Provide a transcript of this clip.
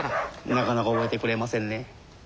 なかなか覚えてくれませんね。